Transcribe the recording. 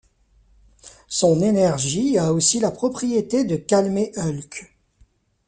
Son énergie a aussi la propriété de calmer Hulk.